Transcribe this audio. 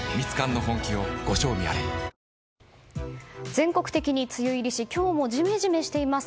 全国的に梅雨入りし今日もジメジメしています。